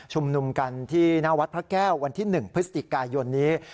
นุมกันที่หน้าวัดพระแก้ววันที่๑พฤศจิกายนนี้